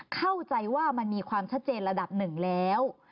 เข้าใจว่ามันมีความชัดเจนระดับหนึ่งแล้ว